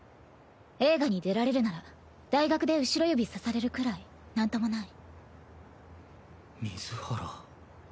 映画に出られるなら大学で後ろ指さされるくらいなんともない。